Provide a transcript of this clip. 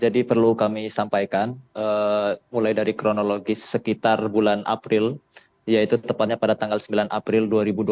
jadi perlu kami sampaikan mulai dari kronologis sekitar bulan april yaitu tepatnya pada tanggal sembilan april dua ribu dua puluh tiga